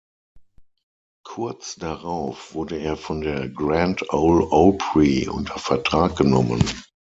Kurz darauf wurde er von der Grand Ole Opry unter Vertrag genommen.